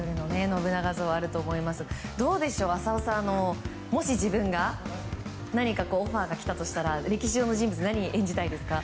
浅尾さん、どうでしょうもし、自分が何かオファーが来たとしたら歴史上の人物誰を演じたいですか？